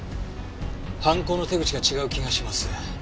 犯行の手口が違う気がします。